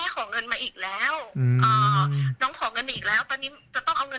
ครอบครัวเค้าเห็นว่าเค้ามีสามีฝรั่งทางที่ว่าคุณบ้านนอกนะคะมีสามีฝรั่งอ่ะต้องรวยนะต้องมีเงิน